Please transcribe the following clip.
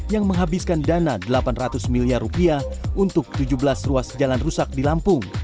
yang menghabiskan dana delapan ratus miliar rupiah untuk tujuh belas ruas jalan rusak di lampung